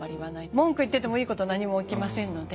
文句言っててもいいこと何も起きませんので。